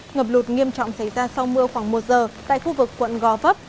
ngập lụt nghiêm trọng xảy ra sau mưa khoảng một giờ tại khu vực quận gò vấp